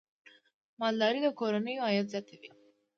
مالداري د کورنیو عاید زیاتوي.